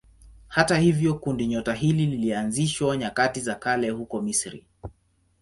Hata hivyo kundinyota hili lilianzishwa nyakati za kale huko Misri.